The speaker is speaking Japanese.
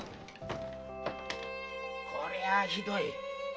〔こりゃひどい。